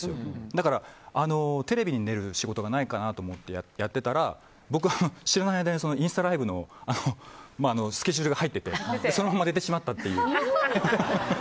だからテレビに出る仕事はないかなと思ってたら僕、知らない間にインスタライブのスケジュールが入っていてそのまま出てしまったという。